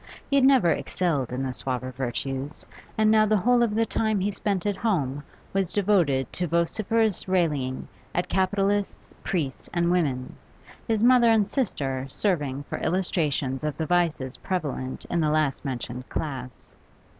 He had never excelled in the suaver virtues, and now the whole of the time he spent at home was devoted to vociferous railing at capitalists, priests, and women, his mother and sister serving for illustrations of the vices prevalent in the last mentioned class.